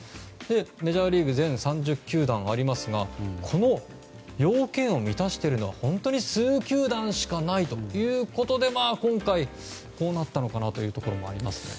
メジャーリーグ全３０球団ありますがこの要件を満たしているのが本当に数球団しかないということで今回、こうなったのかなということもありますね。